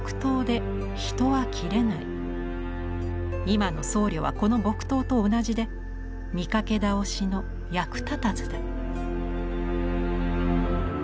今の僧侶はこの木刀と同じで見かけ倒しの役立たずだ」。